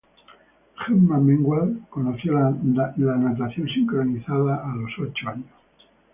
Gemma Mengual conoció la natación sincronizada a los ocho años.